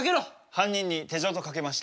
犯人に手錠とかけまして。